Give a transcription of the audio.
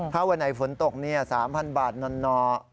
ถ้าวันไหนฝนตก๓๐๐บาทนอ